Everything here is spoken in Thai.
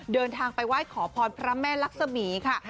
เดินทางไปไหว้ขอพรพระแม่ลักษมีค่ะ